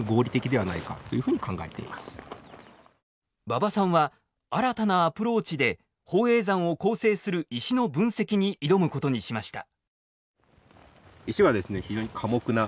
馬場さんは新たなアプローチで宝永山を構成する石の分析に挑むことにしました。